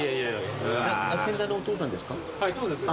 先代のお父さんですか？